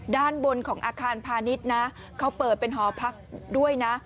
ด้านบนของอาคารพาณิชย์นะเขาเปิดเป็นหอพักด้วยนะ